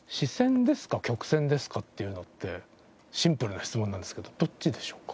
っていうのってシンプルな質問なんですけどどっちでしょうか？